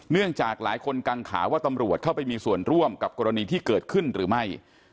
เนื่องจากหลายคนกังขาว่าตำรวจเข้าไปมีส่วนร่วมกับกรณีที่เกิดขึ้นหรือไม่